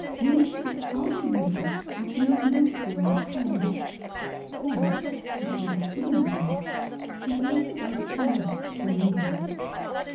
wings it hardly uses and seems not to understand then, if it is a female moth, it looks about for 'love' from the male.